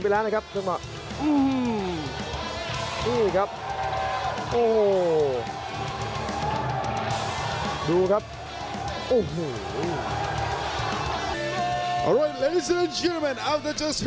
เบลูคอร์น่า